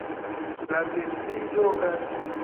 La geedziĝo okazis.